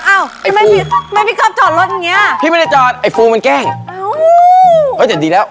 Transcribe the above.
อ้าวทำไมพี่ครอบจอดรถอย่างนี้อ้าวไอ้ฟูอ้าว